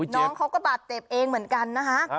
น้องเขาก็บาดเจ็บเองเหมือนกันนะคะ